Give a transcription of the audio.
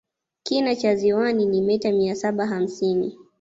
kina cha ziwa ni ni meta mia saba hamsini